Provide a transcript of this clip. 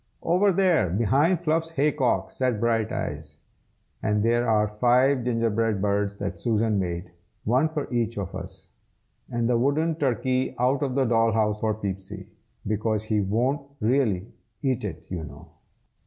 "Over there, behind Fluff's hay cock," said Brighteyes. "And there are five gingerbread birds that Susan made, one for each of us, and the wooden turkey out of the doll house for Peepsy, because he won't really eat it, you know.